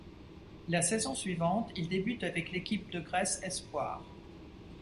La saison suivante, il débute avec l'équipe de Grèce espoirs.